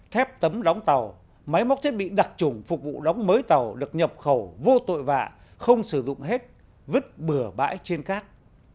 thép tấm đóng tàu máy móc thiết bị đặc trùng phục vụ đóng mới tàu được nhập khẩu vô tội vạ không sử dụng hết vứt bừa bãi trên cát